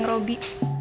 ya pak haji